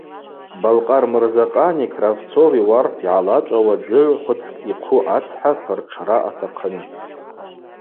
Балкъар Мырзакъани Кравцови Уарп йгӏалачӏвауа дзыгӏв хвыцкӏ йхъу ацхӏа пыртшра атахъын.